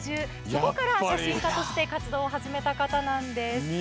そこから写真家として活動を始められた方なんです。